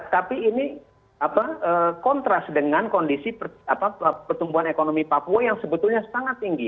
tapi ini kontras dengan kondisi pertumbuhan ekonomi papua yang sebetulnya sangat tinggi